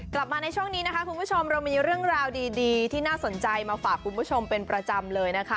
กลับมาในช่วงนี้นะคะคุณผู้ชมเรามีเรื่องราวดีที่น่าสนใจมาฝากคุณผู้ชมเป็นประจำเลยนะคะ